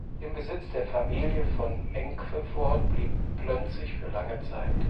Im Besitz der Familie von Enckevort blieb Plönzig für lange Zeit.